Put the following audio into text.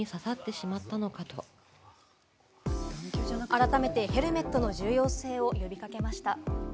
改めて、ヘルメットの重要性を呼びかけました。